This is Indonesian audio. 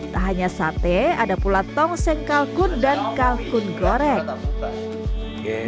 tak hanya sate ada pula tongseng kalkun dan kalkun goreng